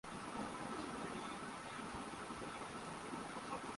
نورانی کرنیں ہر سو پھیل کر منظر کی لطافت کو مزید نکھار رہی تھیں